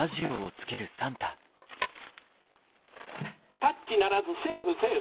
「タッチならずセーフセーフ」。